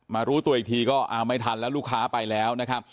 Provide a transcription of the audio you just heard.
รู้ตัวอีกทีก็อ้าวไม่ทันแล้วลูกค้าไปแล้วนะครับ